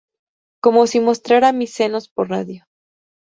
Como si mostrara mis senos por radio.